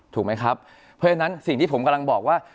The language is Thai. ถูกไหมครับเพราะฉะนั้นสิ่งที่ผมกำลังบอกว่า